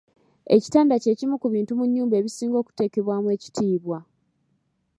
Ekitanda ky’ekimu ku bintu mu nnyumba ebisinga okuteekebwamu ekitiibwa.